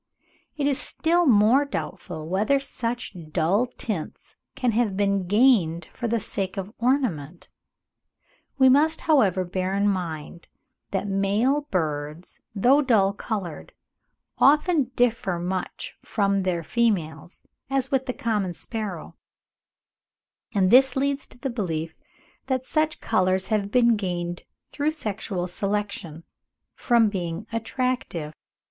It is still more doubtful whether such dull tints can have been gained for the sake of ornament. We must, however, bear in mind that male birds, though dull coloured, often differ much from their females (as with the common sparrow), and this leads to the belief that such colours have been gained through sexual selection, from being attractive.